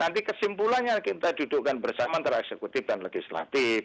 nanti kesimpulannya kita dudukkan bersama antara eksekutif dan legislatif